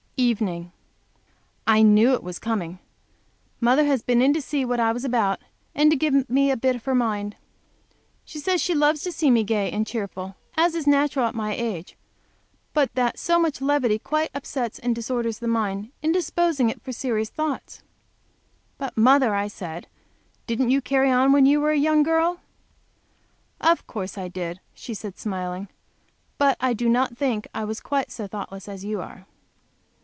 Evening. I knew it was coming! Mother has been in to see what I was about, and to give me a bit of her mind. She says she loves to see me gay and cheerful, as is natural at my age, but that levity quite upsets and disorders the mind, indisposing it for serious thoughts. "But, mother," I said, "didn't you carry on when you were a young girl?" "Of course I did," she said, smiling. "But I do not think I was quite so thoughtless as you are."